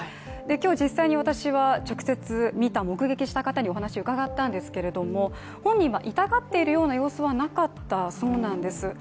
今日、実際に私は直接目撃した方にお話を伺ったんですけども、本人は痛がっているような様子はなかったそうなんです。